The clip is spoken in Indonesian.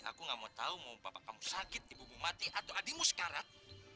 jadi aku nggak mau tahu mau bapak kamu sakit ibu ibu mati atau adikmu sekarat